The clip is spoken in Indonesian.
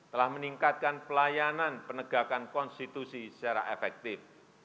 telah meningkatkan pelayanan penegakan konstitusi secara efektif